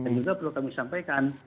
dan juga perlu kami sampaikan